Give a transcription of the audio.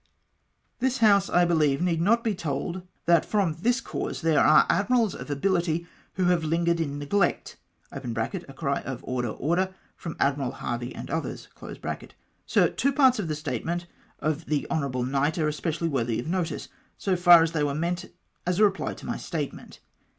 "' This House, I believe, need not be told that from this cause there are admirals of ability who have lingered in neglect. (A cry of order, order, from Admiral Harvey and others.) Sir, two parts of the statement of the Honourable Knight are especially worthy of notice, so far as they were meant as a reply to my statement.